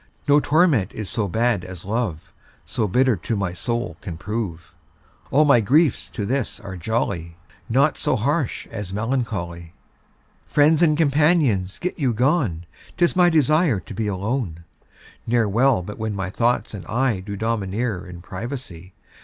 No torment is so bad as love, So bitter to my soul can prove. All my griefs to this are jolly, Naught so harsh as melancholy. Friends and companions get you gone, 'Tis my desire to be alone; Ne'er well but when my thoughts and I Do domineer in privacy.